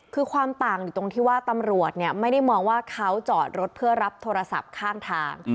คือความต่างอยู่ตรงที่ว่าตำรวจไม่ได้มองว่าเขาจอดรถเพื่อรับโทรศัพท์ข้างทาง